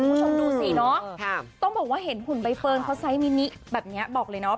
คุณผู้ชมดูสิเนาะต้องบอกว่าเห็นหุ่นใบเฟิร์นเขาไซส์มินิแบบนี้บอกเลยเนาะ